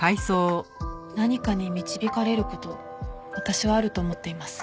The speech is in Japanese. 何かに導かれる事私はあると思っています。